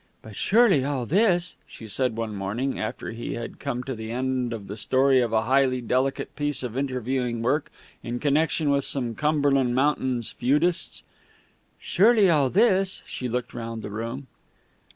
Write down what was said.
"But surely all this," she said one morning, after he had come to the end of the story of a highly delicate piece of interviewing work in connection with some Cumberland Mountains feudists, "surely all this " She looked round the room.